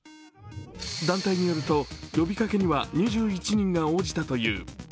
団体によると、呼びかけには２１人が応じたという。